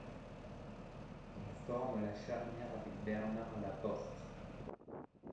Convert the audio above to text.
Il forme la charnière avec Bernard Laporte.